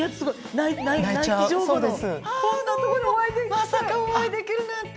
まさかお会いできるなんて。